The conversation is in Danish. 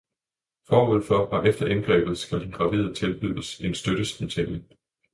Forud for og efter indgrebet skal den gravide tilbydes en støttesamtale